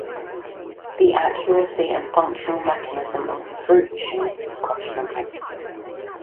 The accuracy and functional mechanism of the "fruit machine" was questionable.